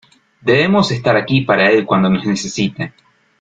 Debemos estar aquí para él cuando nos necesite.